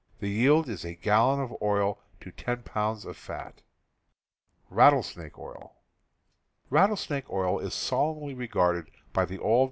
The yield is a gallon of oil to ten pounds of fat. Rattlesnake oil is solemnly regarded by the old ^